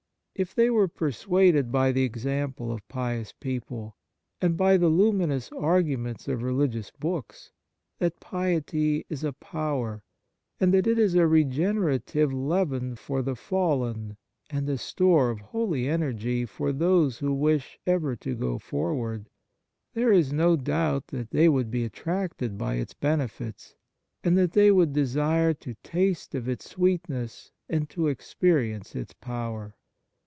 If they were persuaded by the example of pious people and by the luminous arguments of religious books, that piety is a power, and that it is a regenerative leaven for the fallen and a store of holy energy for those who wish ever to go forward, there is no doubt that they would be attracted by its benefits, and that 17 B On Piety they would desire to taste of its sweetness and to experience its power.